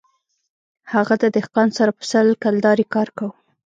هغه د دهقان سره په سل کلدارې کار کاوه